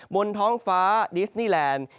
บนท้องฟ้าดิสนีแลนด์